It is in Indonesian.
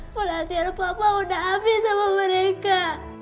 perhatian papa udah abis sama mereka